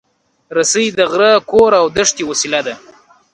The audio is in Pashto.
رسۍ د غره، کور، او دښتې وسیله ده.